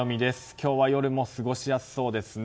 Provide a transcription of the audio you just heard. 今日は夜も過ごしやすそうですね。